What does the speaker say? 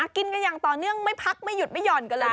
กินกันอย่างต่อเนื่องไม่พักไม่หยุดไม่หย่อนกันเลย